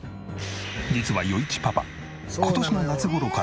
実は余一パパ